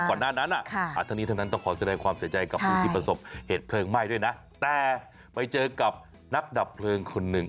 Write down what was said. หน้านั้นทั้งนี้ทั้งนั้นต้องขอแสดงความเสียใจกับผู้ที่ประสบเหตุเพลิงไหม้ด้วยนะแต่ไปเจอกับนักดับเพลิงคนหนึ่ง